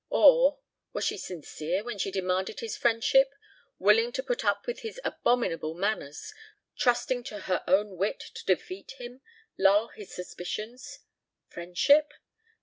... Or was she sincere when she demanded his friendship, willing to put up with his abominable manners, trusting to her own wit to defeat him, lull his suspicions? Friendship!